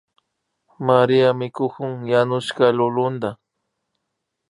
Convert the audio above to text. María mikukun yanushka lulunta